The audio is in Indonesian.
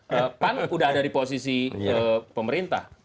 depan udah ada di posisi pemerintah